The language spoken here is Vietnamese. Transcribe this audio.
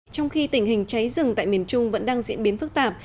trong khi tình hình cháy rừng tại miền trung vẫn đang diễn biến phức tạp